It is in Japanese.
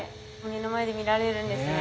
目の前で見られるんですね。